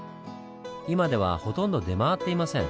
今ではほとんど出回っていません。